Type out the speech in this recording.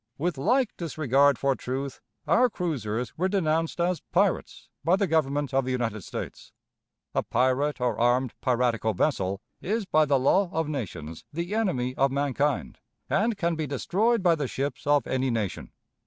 With like disregard for truth, our cruisers were denounced as "pirates" by the Government of the United States. A pirate, or armed piratical vessel, is by the law of nations the enemy of mankind, and can be destroyed by the ships of any nation.